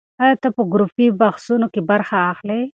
ایا ته په ګروپي بحثونو کې برخه اخلې؟